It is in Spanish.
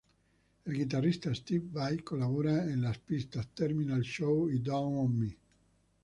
El guitarrista Steve Vai colabora en las pistas "Terminal Show" y "Down on Me".